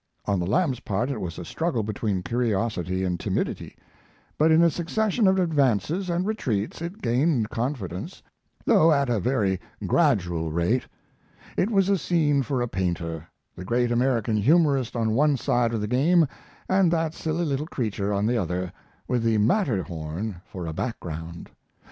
On the lamb's part it was a struggle between curiosity and timidity, but in a succession of advances and retreats it gained confidence, though at a very gradual rate. It was a scene for a painter: the great American humorist on one side of the game and that silly little creature on the other, with the Matterhorn for a background.